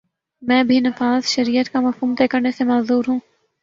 میں بھی نفاذ شریعت کا مفہوم طے کرنے سے معذور ہوں۔